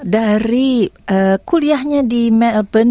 dari kuliahnya di melbourne